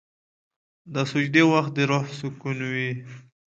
د سجدې وخت د روح سکون وي.